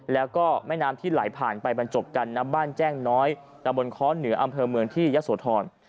แล้วก็แม่น้ำที่ไหลผ่านไปบรรจบกันน้ำบ้านแจ้งน้อยตะบนค้อนเหนืออำเภอเมืองที่ยะโสธร